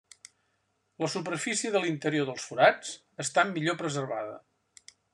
La superfície de l'interior dels forats està millor preservada.